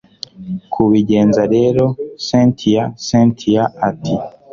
kubigenza rero cyntia cyntia ati